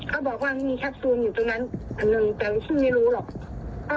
เขาบอกว่ามีแคปซูลอยู่ตรงนั้นแต่วิธีไม่รู้หรอก